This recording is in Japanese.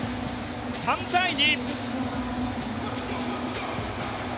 ３対２。